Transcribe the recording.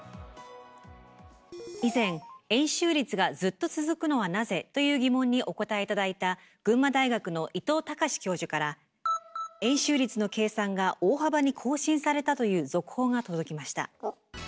以前「円周率がずっと続くのはなぜ？」という疑問にお答え頂いた群馬大学の伊藤隆教授から「円周率の計算が大幅に更新された」という続報が届きました。